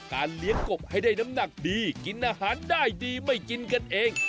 เลี้ยงกบให้ได้น้ำหนักดีกินอาหารได้ดีไม่กินกันเอง